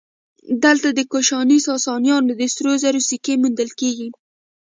دلته د کوشاني ساسانیانو د سرو زرو سکې موندل کېږي